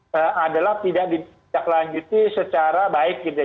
jadi adalah tidak ditindaklanjuti secara baik gitu ya